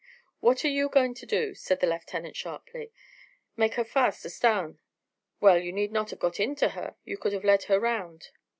"What are you going to do?" said the lieutenant sharply. "Make her fast astarn." "Well, you need not have got into her, you could have led her round."